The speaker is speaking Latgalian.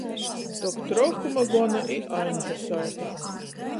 Tok trokuma gona i Aņža sātā.